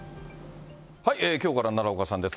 きょうから奈良岡さんです。